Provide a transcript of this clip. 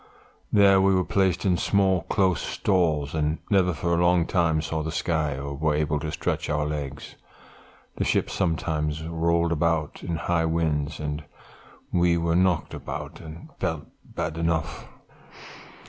There we were placed in small close stalls, and never for a long time saw the sky, or were able to stretch our legs. The ship sometimes rolled about in high winds, and we were knocked about, and felt bad enough.